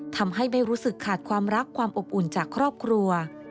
ทำให้ไม่รู้สึกขาดความรักความอบอุ่นจากครอบครัว